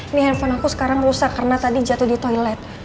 ini handphone aku sekarang rusak karena tadi jatuh di toilet